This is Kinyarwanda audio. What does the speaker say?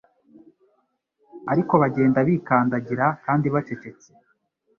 ariko bagenda bikandagira kandi bacecetse,